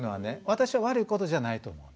私は悪いことじゃないと思う。